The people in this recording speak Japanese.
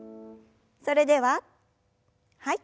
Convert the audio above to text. それでははい。